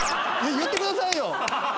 言ってくださいよ！